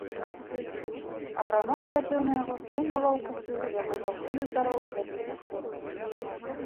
Аграном глядзеў на яго з той нялоўкасцю, з якой заўсёды здаровы глядзіць на хворага.